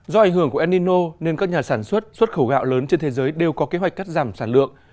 do ảnh hưởng của enino nên các nhà sản xuất xuất khẩu gạo lớn trên thế giới đều có kế hoạch cắt giảm sản lượng